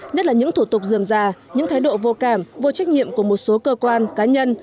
nhất là những thủ tục dườm già những thái độ vô cảm vô trách nhiệm của một số cơ quan cá nhân